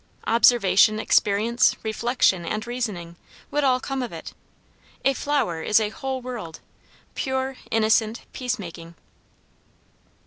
Observation, experience, reflection, and reasoning, would all come of it. A flower is a whole world, pure, innocent, peacemaking.